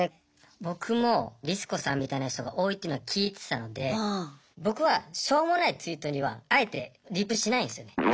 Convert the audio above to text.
僕もリス子さんみたいな人が多いっていうのは聞いてたので僕はしょうもないツイートにはあえてリプしないんですよね。